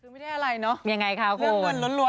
ไม่ได้อะไรเนอะเรื่องเงินร้อนแล้ว